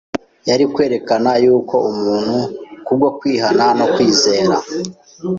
yari kwerekana y’uko umuntu, ku bwo kwihana no kumwizera,